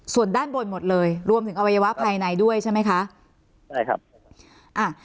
ส่วนด้านบนหมดเลยรวมถึงอวัยวะภายในด้วยใช่ไหมคะใช่ครับอ่า